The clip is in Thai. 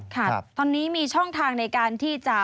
ครับตอนนี้มีช่องทางในการที่จะ